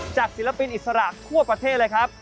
ศิลปินอิสระทั่วประเทศเลยครับ